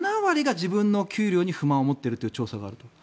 約７割が自分の給料に不満を持っているという調査があると。